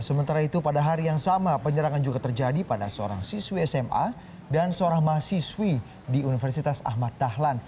sementara itu pada hari yang sama penyerangan juga terjadi pada seorang siswi sma dan seorang mahasiswi di universitas ahmad dahlan